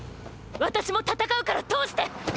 私も戦うから通して！！